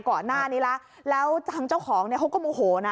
ก่อนหน้านี้แล้วแล้วทางเจ้าของเนี่ยเขาก็โมโหนะ